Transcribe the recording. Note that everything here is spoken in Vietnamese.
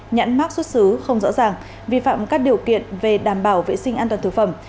nhãn mắc xuất xứ không rõ ràng vi phạm các điều kiện về đảm bảo vệ sinh an toàn thực phẩm